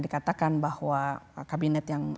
dikatakan bahwa kabinet yang